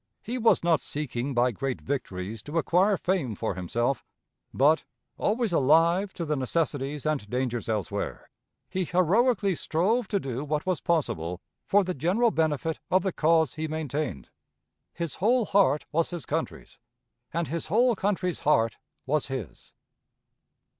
He was not seeking by great victories to acquire fame for himself; but, always alive to the necessities and dangers elsewhere, he heroically strove to do what was possible for the general benefit of the cause he maintained. His whole heart was his country's, and his whole country's heart was his.